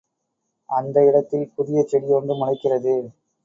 அந்த இடத்தில் புதிய செடி ஒன்று முளைக்கிறது.